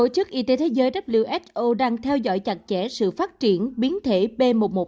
chức y tế thế giới who đang theo dõi chặt chẽ sự phát triển biến thể b một một năm trăm hai mươi chín